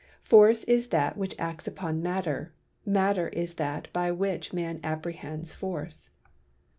Force is that which acts upon Matter, Matter is that by which man apprehends Force.